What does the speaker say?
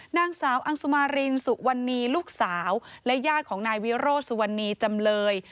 นางสาวอังสุมารินสุวรรณีลูกสาวและญาติของนายวิโรสุวรรณีจำเลย